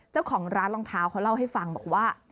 เจ้าของร้านรองเท้าเขาเล่าให้ฟังบอกว่า